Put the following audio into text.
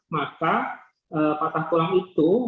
maka patah tulang itu